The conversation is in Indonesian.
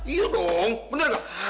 iya dong bener ga